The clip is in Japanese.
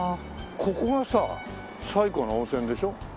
ここがさ最古の温泉でしょ？